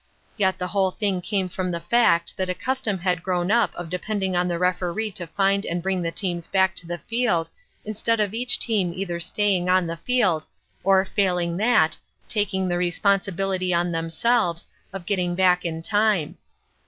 Yet the whole thing came from the fact that a custom had grown up of depending on the Referee to find and bring the teams back to the field instead of each team either staying on the field, or failing that, taking the responsibility on themselves of getting back in time.